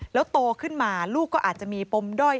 แล้วโตขึ้นมาลูกก็อาจจะมีปมด้อย